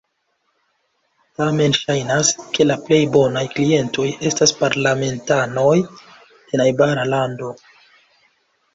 Tamen ŝajnas, ke la plej bonaj klientoj estas parlamentanoj de najbara lando.